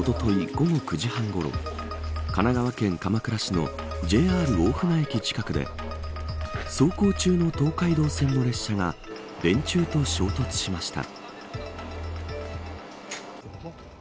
午後９時半ごろ神奈川県鎌倉市のＪＲ大船駅近くで走行中の東海道線の列車が電柱と衝突しました。